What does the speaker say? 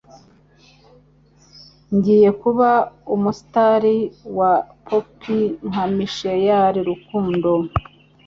Ngiye kuba umustar wa pop nka Michael Rukundo